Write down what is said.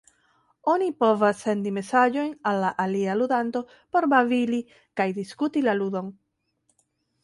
Oni povas sendi mesaĝojn al la alia ludanto por babili kaj diskuti la ludon.